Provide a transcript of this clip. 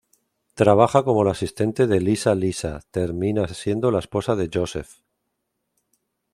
Trabaja como la asistente de Lisa Lisa, termina siendo la esposa de Joseph.